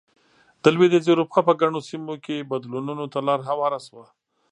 د لوېدیځې اروپا په ګڼو سیمو کې بدلونونو ته لار هواره شوه.